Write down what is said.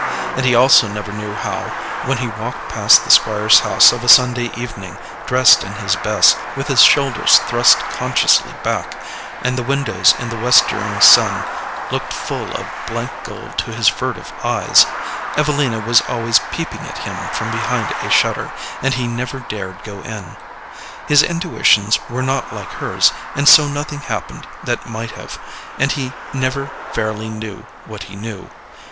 And he also never knew how, when he walked past the Squire's house of a Sunday evening, dressed in his best, with his shoulders thrust consciously back, and the windows in the westering sun looked full of blank gold to his furtive eyes, Evelina was always peeping at him from behind a shutter, and he never dared go in. His intuitions were not like hers, and so nothing happened that might have, and he never fairly knew what he knew.